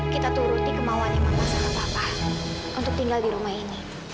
kita turuti kemauan yang mamah sama papa untuk tinggal di rumah ini